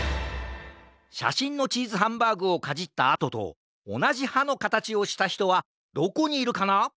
しゃしんのチーズハンバーグをかじったあととおなじはのかたちをしたひとはどこにいるかな？